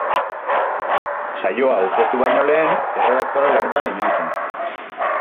Saioa aurkeztu baino lehen, erredaktore-lanetan ibili zen.